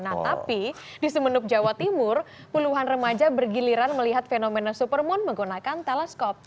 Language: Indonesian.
nah tapi di sumeneb jawa timur puluhan remaja bergiliran melihat fenomena supermoon menggunakan teleskop